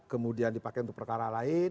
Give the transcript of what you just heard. kemudian dipakai untuk perkara lain